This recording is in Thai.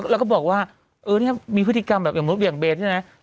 แล้วก็บอกว่าเออเนี่ยมีพฤติกรรมแบบอย่างมดเหวี่ยงเบนใช่ไหม